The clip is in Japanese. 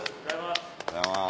おはようございます。